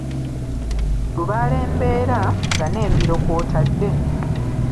Lubaale mbeera, nga n'embiro nga kw'otadde.